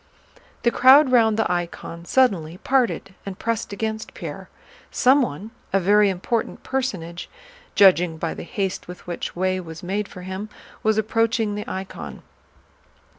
The crowd round the icon suddenly parted and pressed against Pierre. Someone, a very important personage judging by the haste with which way was made for him, was approaching the icon.